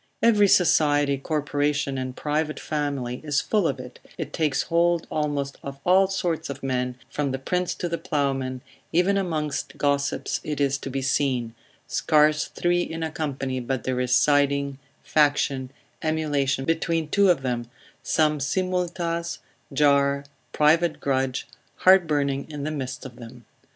Every society, corporation, and private family is full of it, it takes hold almost of all sorts of men, from the prince to the ploughman, even amongst gossips it is to be seen, scarce three in a company but there is siding, faction, emulation, between two of them, some simultas, jar, private grudge, heart burning in the midst of them.